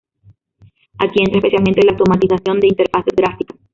Aquí entra especialmente la automatización de interfaces gráficas.